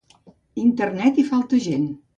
Internet hi falta gent.